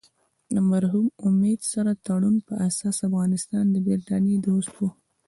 د مرحوم امیر سره تړون په اساس افغانستان د برټانیې دوست وو.